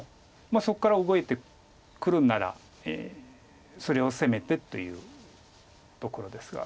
そこから動いてくるんならそれを攻めてというところですが。